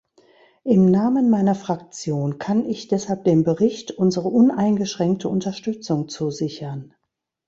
Im Namen meiner Fraktion kann ich deshalb dem Bericht unsere uneingeschränkte Unterstützung zusichern.